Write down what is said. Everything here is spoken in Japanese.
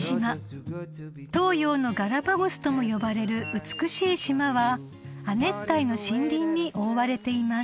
［東洋のガラパゴスとも呼ばれる美しい島は亜熱帯の森林に覆われています］